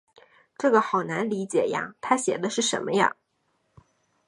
这个好难理解呀，她写的是什么呀？